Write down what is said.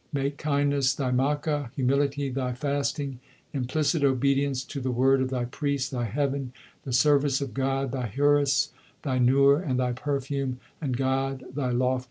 Make kindness thy Makka, humility thy fasting, Implicit 3 obedience to the word of thy priest thy heaven, The service of God thy huris, thy nur, 4 and thy perfume ; and God thy lofty hujra.